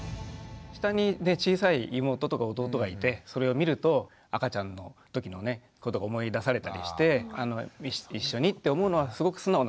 下に小さい妹とか弟がいてそれを見ると赤ちゃんの時のことが思い出されたりして一緒にって思うのはすごく素直な気持ち。